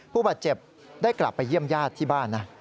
ผู้บาดเจ็บได้กลับไปเยี่ยมญาติที่บ้านนะ